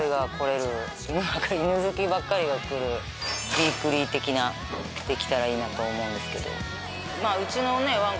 ウイークリー的なできたらいいなと思うんですけど。